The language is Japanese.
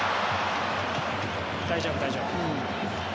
大丈夫、大丈夫。